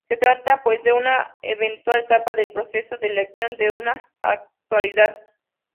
Se trata pues de una eventual etapa del proceso de elección de una autoridad.